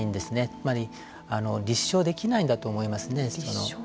つまり立証できないんだと思いますね。